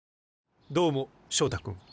どうも翔太君。